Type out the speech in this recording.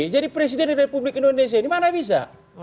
jadi presiden republik indonesia ini mana bisa